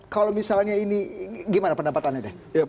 kalau misalnya ini gimana pendapatannya deh